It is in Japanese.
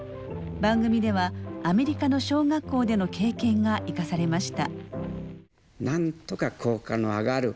番組ではアメリカの小学校での経験が生かされました。